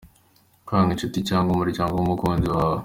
Kwanga inshuti cyangwa umuryango w’umukunzi wawe.